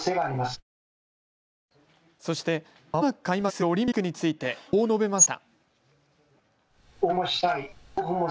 そして、まもなく開幕するオリンピックについてこう述べました。